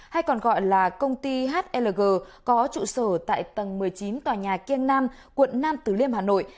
hay còn gọi là công ty hlg có trụ sở tại tầng một mươi chín tòa nhà kiêng nam quận nam tử liêm hà nội